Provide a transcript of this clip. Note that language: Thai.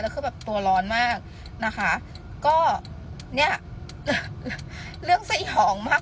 แล้วก็แบบตัวร้อนมากนะคะก็เนี่ยเรื่องสยองมาก